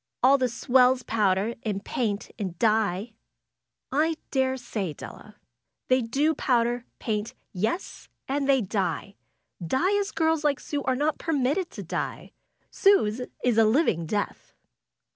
^^All the swells powder, and paint, and dye." daresay, Della. They do powder, paint — ^yes, and they die ! Die as girls like Sue are not permitted to die. Sue's is a living death."